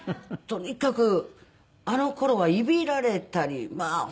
とにかくあの頃はいびられたりまあ